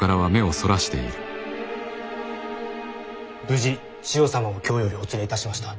無事千世様を京よりお連れいたしました。